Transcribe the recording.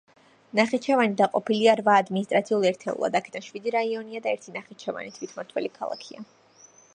ნახიჩევანი დაყოფილია რვა ადმინისტრაციულ ერთეულად: აქედან შვიდი რაიონია და ერთი, ნახიჩევანი, თვითმმართველი ქალაქია.